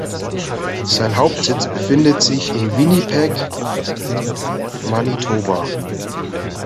Sein Hauptsitz befindet sich in Winnipeg Manitoba.